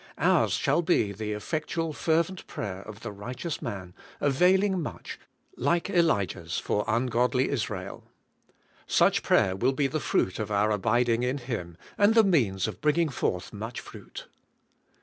Ours shall be the effect ual, fervent prayer of the righteous man, availing much, like Elijah's for ungodly Israel. Such prayer will be the fruit of our abiding in Him, and the means of bringing forth much fruit.